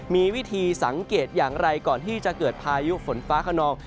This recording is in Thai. มีวิธีสังเกตอย่างไรก่อนที่จะเกิดพายุฝนฟ้าขนอง